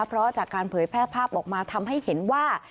เพราะจากการเผยแพร่ภาพออกมาทำให้เห็นว่า